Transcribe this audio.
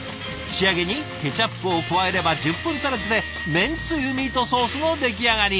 仕上げにケチャップを加えれば１０分足らずでめんつゆミートソースの出来上がり。